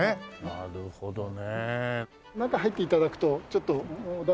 なるほどね。